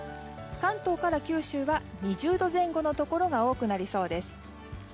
関東から九州は２０度前後のところが多くなりそうです。